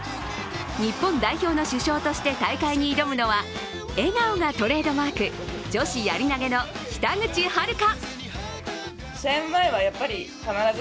日本代表の主将として大会に挑むのは笑顔がトレードマーク女子やり投げの北口榛花。